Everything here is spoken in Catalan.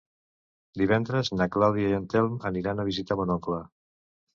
Divendres na Clàudia i en Telm aniran a visitar mon oncle.